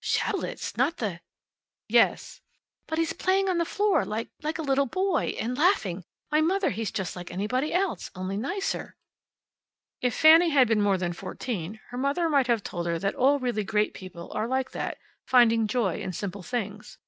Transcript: "Schabelitz! Not the " "Yes." "But he's playing on the floor like like a little boy! And laughing! Why, Mother, he's just like anybody else, only nicer." If Fanny had been more than fourteen her mother might have told her that all really great people are like that, finding joy in simple things.